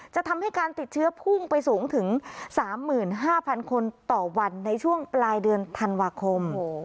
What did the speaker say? จะทำให้การติดเชื้อพุ่งไปสูงถึง๓๕๐๐คนต่อวันในช่วงปลายเดือนธันวาคม